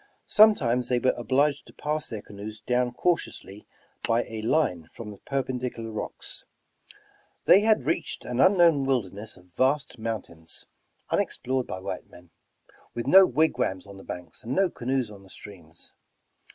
Sometimes they were obliged to pass their canoes down cautiouslj^ by a line from the perpendicular rocks. They had reached an unknown wilderness of vast mountains, unexplored by white men, with no wigwams on the banks and no ca noes on the streams.